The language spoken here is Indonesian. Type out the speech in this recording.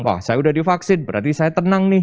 wah saya udah divaksin berarti saya tenang nih